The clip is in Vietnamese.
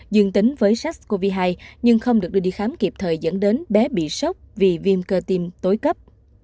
dương tính với sars cov hai nhưng không được đưa đi khám kịp thời dẫn đến bé bị sốc vì viêm cơ tim tối cấp